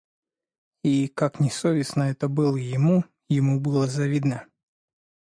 И, как ни совестно это было ему, ему было завидно.